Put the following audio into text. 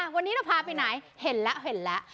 วันนี้เราพาไปไหนเห็นแล้วเห็นแล้ว